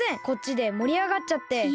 こっちでもりあがっちゃって。